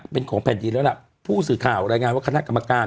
เป็นของแผ่นดินแล้วล่ะผู้สื่อข่าวรายงานว่าคณะกรรมการ